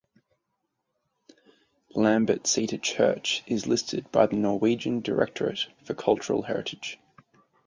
Lambertseter Church is listed by the Norwegian Directorate for Cultural Heritage.